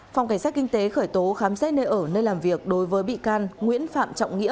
phòng cảnh sát kinh tế khởi tố khám xét nơi ở nơi làm việc đối với bị can nguyễn phạm trọng nghĩa